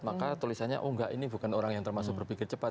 maka tulisannya oh enggak ini bukan orang yang termasuk berpikir cepat